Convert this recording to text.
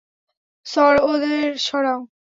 সর, ওদের সরাও!